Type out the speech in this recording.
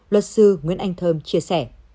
luật sư nguyễn anh thơm chia sẻ